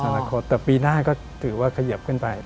อนาคตแต่ปีหน้าก็ถือว่าเขยิบขึ้นไป